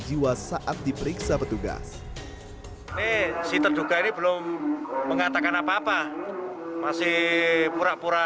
jiwa saat diperiksa petugas si terduga ini belum mengatakan apa apa masih pura pura